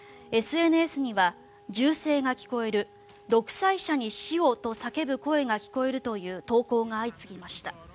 ＳＮＳには銃声が聞こえる独裁者に死をと叫ぶ声が聞こえると投稿が相次ぎました。